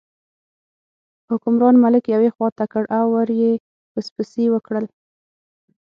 حکمران ملک یوې خوا ته کړ او ور یې پسپسي وکړل.